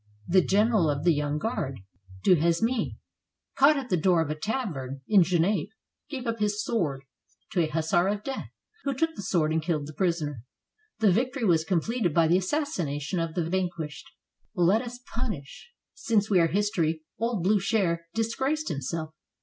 The general of the Young Guard, Duhesme, caught at the door of a tavern in Genappe, gave up his sword to a hussar of death, who took the sword and killed the prisoner. The victory was completed by the assassination of the vanquished. Let us punish, since we are history; old Bliicher dis graced himself.